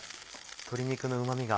鶏肉のうま味が。